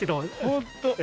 本当。